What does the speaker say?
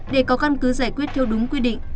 để có căn cứ giải quyết theo đúng quy định